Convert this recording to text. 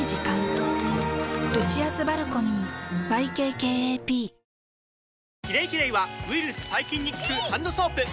ＪＴ「キレイキレイ」はウイルス・細菌に効くハンドソープ！